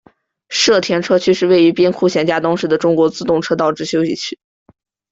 社停车区是位于兵库县加东市的中国自动车道之休息区。